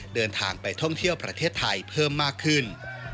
เดินทางไปท่องเที่ยวประเทศไทยเพิ่มมากขึ้น